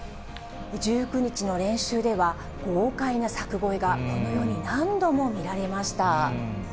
１９日の練習では、豪快な柵越えが、このように何度も見られました。